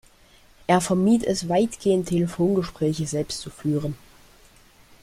Er vermied es weitgehend, Telefongespräche selbst zu führen.